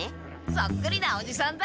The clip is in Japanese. そっくりなおじさんだ。